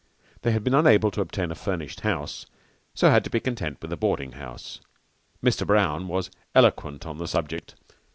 They had been unable to obtain a furnished house, so had to be content with a boarding house. Mr. Brown was eloquent on the subject.